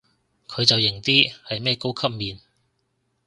佢就型啲，係咩高級面